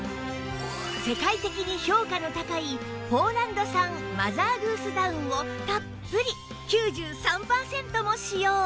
世界的に評価の高いポーランド産マザーグースダウンをたっぷり９３パーセントも使用